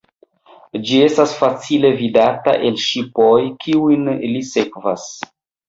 Ĝi estas facile vidata el ŝipoj, kiujn ili sekvas.